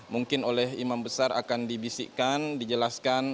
mungkin oleh imam besar akan dibisikkan dijelaskan